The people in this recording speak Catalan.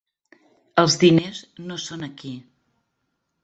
Els diners no són aquí.